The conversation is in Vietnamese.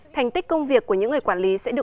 thành tích công việc của những người quản lý